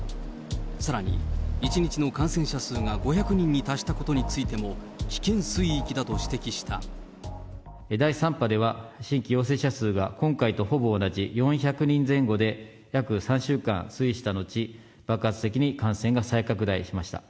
さらに、１日の感染者数が５００人に達したことについても、危険水域だと第３波では、新規陽性者数が今回とほぼ同じ４００人前後で約３週間推移した後、爆発的に感染が再拡大しました。